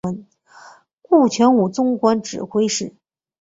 顾全武终官指挥使。